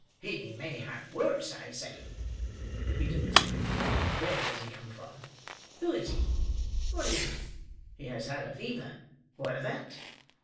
"He may have worse, I say," repeated Mr. Grimwig. "Where does he come from! Who is he? What is he? He has had a fever. What of that?